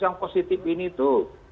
yang positif ini itu